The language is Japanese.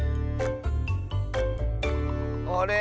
あれ？